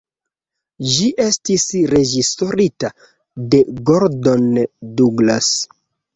Ĝi estis reĝisorita de Gordon Douglas.